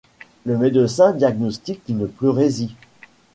Le médecin diagnostique une pleurésie.